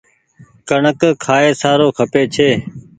ڪڻڪ کآئي سارو کپي ڇي۔